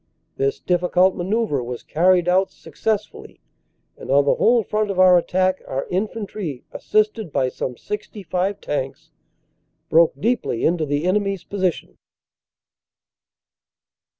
This difficult manoeuvre was carried out success fully, and on the whole front of our attack our infantry, assisted by some 65 tanks, broke deeply into the enemy s position."